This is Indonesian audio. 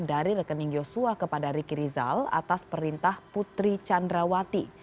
dari rekening yosua kepada rikirizal atas perintah putri candrawati